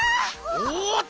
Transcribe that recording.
おっと！